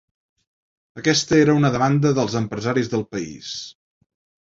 Aquesta era una demanda dels empresaris del país.